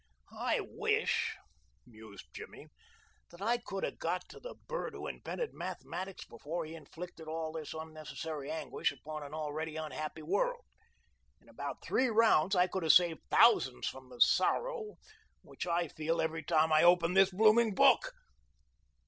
"I wish," mused Jimmy, "that I could have got to the bird who invented mathematics before he inflicted all this unnecessary anguish upon an already unhappy world. In about three rounds I could have saved thousands from the sorrow which I feel every time I open this blooming book."